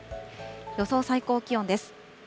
予想最高気温です。